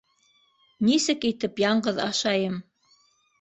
Нисек итеп яңғыҙ ашайым!